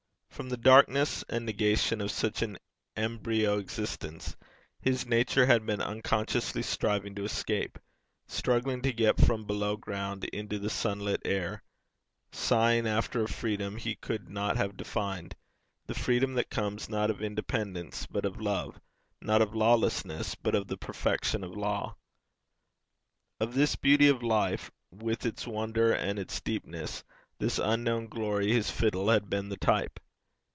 From the darkness and negation of such an embryo existence, his nature had been unconsciously striving to escape struggling to get from below ground into the sunlit air sighing after a freedom he could not have defined, the freedom that comes, not of independence, but of love not of lawlessness, but of the perfection of law. Of this beauty of life, with its wonder and its deepness, this unknown glory, his fiddle had been the type.